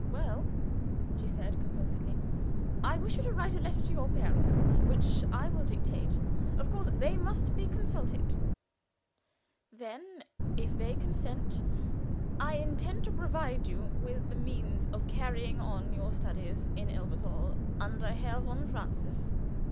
"Well," said she, composedly, "I wish you to write a letter to your parents, which I will dictate; of course they must be consulted. Then, if they consent, I intend to provide you with the means of carrying on your studies in Elberthal under Herr von Francius."